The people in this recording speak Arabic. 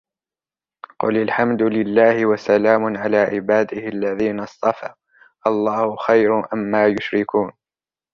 قُلِ الْحَمْدُ لِلَّهِ وَسَلَامٌ عَلَى عِبَادِهِ الَّذِينَ اصْطَفَى آللَّهُ خَيْرٌ أَمَّا يُشْرِكُونَ